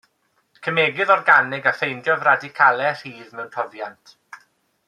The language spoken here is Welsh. Cemegydd organig a ffeindiodd radicalau rhydd mewn toddiant.